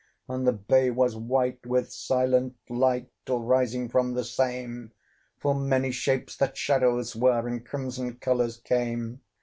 And the bay was white with silent light, Till rising from the same, Full many shapes, that shadows were, In crimson colours came.